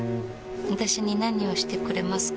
私に何をしてくれますか？